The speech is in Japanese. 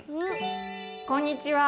こんにちは。